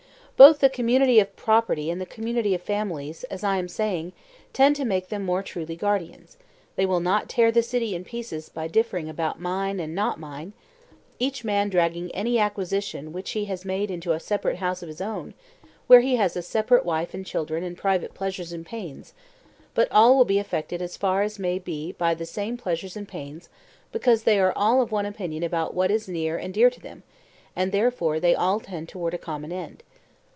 Both the community of property and the community of families, as I am saying, tend to make them more truly guardians; they will not tear the city in pieces by differing about 'mine' and 'not mine;' each man dragging any acquisition which he has made into a separate house of his own, where he has a separate wife and children and private pleasures and pains; but all will be affected as far as may be by the same pleasures and pains because they are all of one opinion about what is near and dear to them, and therefore they all tend towards a common end.